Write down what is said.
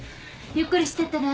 ゆっくりしてってね。